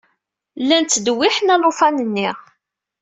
Llan ttdewwiḥen alufan-nni.